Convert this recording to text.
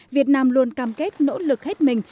việt nam luôn cam kết nỗ lực hết mình